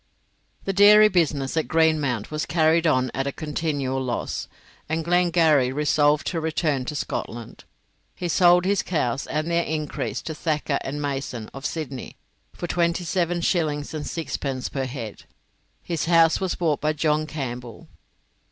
The dairy business at Greenmount was carried on at a continual loss, and Glengarry resolved to return to Scotland. He sold his cows and their increase to Thacker and Mason, of Sydney, for twenty seven shillings and sixpence per head; his house was bought by John Campbell.